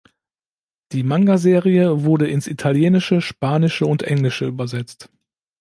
Die Mangaserie wurde ins Italienische, Spanische und Englische übersetzt.